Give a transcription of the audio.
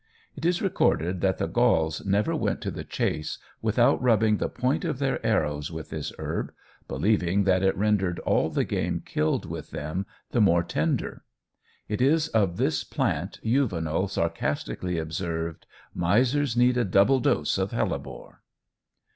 It is recorded that the Gauls never went to the chase without rubbing the point of their arrows with this herb, believing that it rendered all the game killed with them the more tender. It is of this plant Juvenal sarcastically observes: "Misers need a double dose of hellebore."